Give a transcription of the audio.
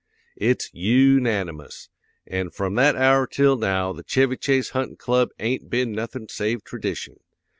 It's yoonanimous, an' from that hour till now the Chevy Chase Huntin' Club ain't been nothin' save tradition.